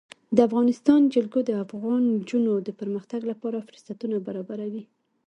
د افغانستان جلکو د افغان نجونو د پرمختګ لپاره فرصتونه برابروي.